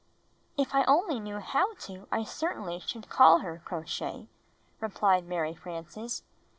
''If I only knew how to, I certainly should call her, Crow Shay," replied Mary Frances.